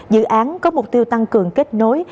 dự án có mục tiêu tăng cường kết nối